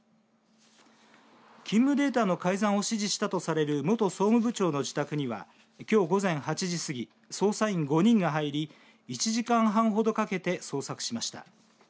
勤務データの改ざんを指示したとされる元総務部長の自宅にはきょう午前８時過ぎ捜査員５人が入り１時間半ほどかけて捜索しました。